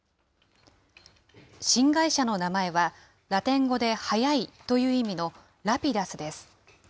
新会社の名前は、ラテン語で速いという意味のＲａｐｉｄｕｓです。